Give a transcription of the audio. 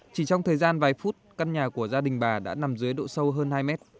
chỉ trong thời gian vài phút căn nhà của gia đình bà đã nằm dưới độ sâu hơn hai mét